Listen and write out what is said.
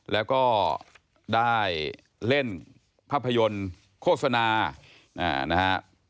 แล้วก็ได้เล่นภาพยนตร์โฆษณานะฮะ